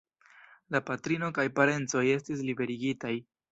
La patrino kaj parencoj estis liberigitaj.